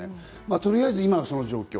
とりあえず今はその状況。